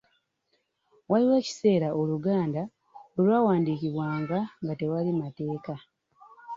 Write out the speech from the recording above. Waaliwo ekiseera Oluganda we lwawandiikibwanga nga tewali mateeka.